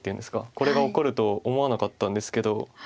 これが起こると思わなかったんですけど。